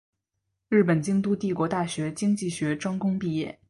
日本京都帝国大学经济学专攻毕业。